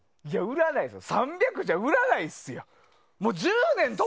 いや、３００じゃ売らないですよ。